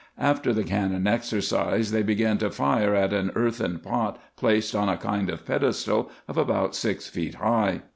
After the cannon exercise, they began to fire at an earthen pot placed on a kind of pedestal of about six feet high.